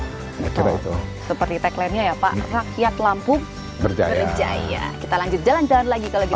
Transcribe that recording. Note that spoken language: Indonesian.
betul betul seperti tagline nya ya pak rakyat lampung berjaya kita lanjut jalan jalan lagi kalau kita